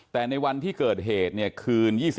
แต่ในวันที่เกิดเหตุเนี่ยคืน๒๕